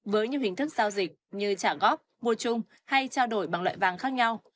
với nhiều hình thức giao dịch như trả góp mua chung hay trao đổi bằng loại vàng khác nhau